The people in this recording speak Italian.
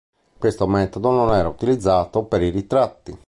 Questo metodo non era utilizzato per i ritratti.